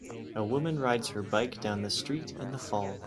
A woman rides her bike down the street in the fall